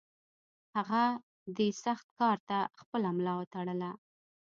هغه دې سخت کار ته خپله ملا وتړله.